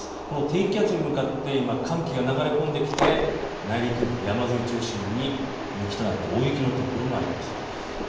この低気圧に向かって寒気が流れ込んできて内陸部、山沿い中心に大雪となっています。